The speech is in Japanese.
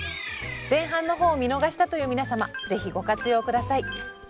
前半の方を見逃したという皆様是非ご活用下さい。